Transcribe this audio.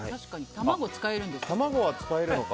卵、使えるんですか？